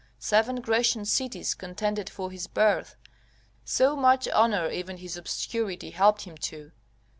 Seven Grecian cities contended for his birth, so much honour even his obscurity helped him to!